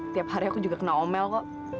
tiap hari aku juga kena omel kok